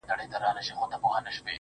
• په دې پردي وطن كي.